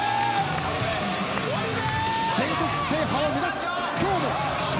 全国制覇を目指し今日も笑